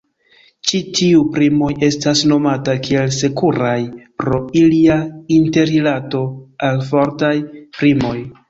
Ĉi tiuj primoj estas nomata kiel "sekuraj" pro ilia interrilato al fortaj primoj.